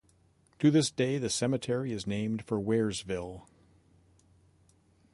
To this day the cemetery is named for Waresville.